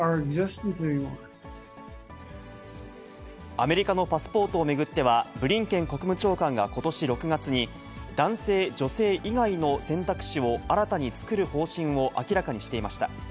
アメリカのパスポートを巡っては、ブリンケン国務長官がことし６月に、男性、女性以外の選択肢を新たに作る方針を明らかにしていました。